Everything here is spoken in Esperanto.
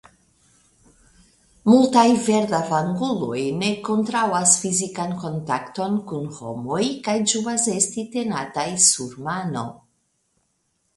Multaj verdavanguloj ne kontraŭas fizikan kontakton kun homoj kaj ĝuas esti tenataj sur mano.